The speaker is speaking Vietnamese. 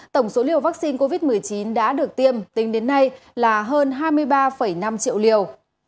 tổng số liều vaccine covid một mươi chín đã được tiêm tính đến nay là hơn hai mươi ba năm triệu liều